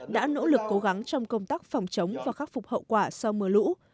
đã nỗ lực cố gắng trong công tác phòng chống và khắc phục hậu quả sau mưa lũ